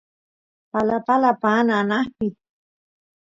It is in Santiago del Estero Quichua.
palapala paan anaqpi